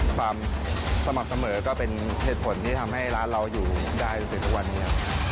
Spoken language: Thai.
ความสม่ำเสมอก็เป็นเหตุผลที่ทำให้ร้านเราอยู่ได้จนถึงทุกวันนี้ครับ